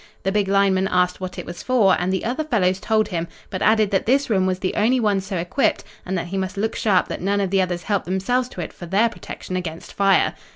The big lineman asked what it was for, and the other fellows told him, but added that this room was the only one so equipped and that he must look sharp that none of the others helped themselves to it for their protection against fire.